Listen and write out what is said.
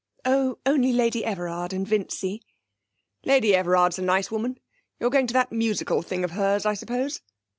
'Oh, only Lady Everard and Vincy.' 'Lady Everard is a nice woman. You're going to that musical thing of hers, I suppose?'